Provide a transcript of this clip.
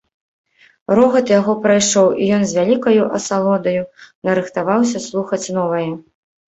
Рогат яго прайшоў, і ён з вялікаю асалодаю нарыхтаваўся слухаць новае.